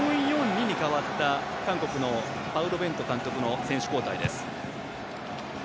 ４−４−２に変わった韓国のパウロ・ベント監督の選手交代です。